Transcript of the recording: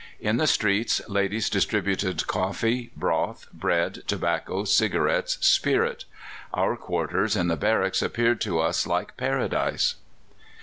In the streets ladies distributed coffee, broth, bread, tobacco, cigarettes, spirit. Our quarters in the barracks appeared to us like Paradise."